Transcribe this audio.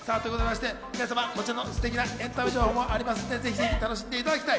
こちらのステキなエンタメ情報もありますので、ぜひぜひ楽しんでいただきたい。